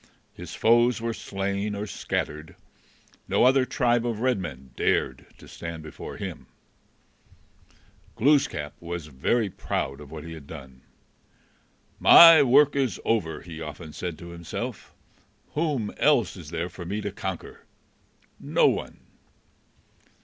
His foes were slain or scattered. No other tribe of red men dared to stand before him. [Footnote 22: A Tale of the Penobscot Indians.] Glooskap was very proud of what he had done. "My work is over," he often said to himself. "Whom else is there for me to conquer? No one."